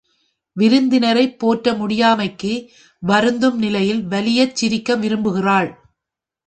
விருந்தினரைப் போற்ற முடியாமைக்கு வருந்தும் நிலையில் வலியச் சிரிக்க விரும்புகிறாள்.